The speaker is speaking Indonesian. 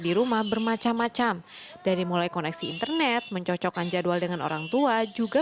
di rumah bermacam macam dari mulai koneksi internet mencocokkan jadwal dengan orang tua juga